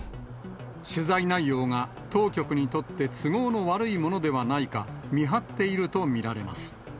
取材内容が当局にとって都合の悪いものではないか、見張っていると見られます。